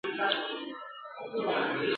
بیرته منصوري ځنځیر له ښار څخه ایستلی یم ..